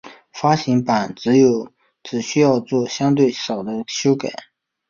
发行版只需要作相对少的修改。